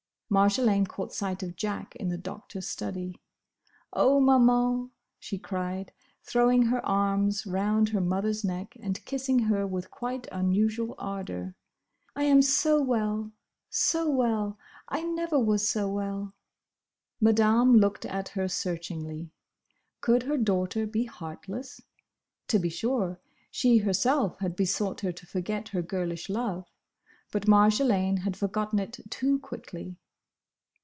Marjolaine caught sight of Jack in the Doctor's study. "Oh, Maman!" she cried, throwing her arms round her mother's neck and kissing her with quite unusual ardour, "I am so well, so well!—I never was so well!" Madame looked at her searchingly. Could her daughter be heartless? To be sure, she herself had besought her to forget her girlish love, but Marjolaine had forgotten it too quickly.